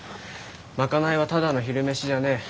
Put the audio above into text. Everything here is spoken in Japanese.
賄いはただの昼飯じゃねえ。